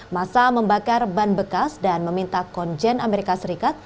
masa membakar ban bekas dan meminta konjen amerika serikat